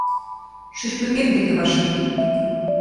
Шӱшпыкем деке вашкем.